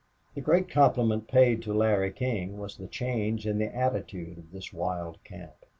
The great compliment paid to Larry King was the change in the attitude of this wild camp.